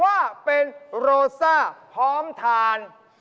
ว่าเป็นโรซ่าพร้อมทาน